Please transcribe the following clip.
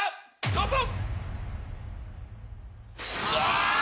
⁉どうぞ！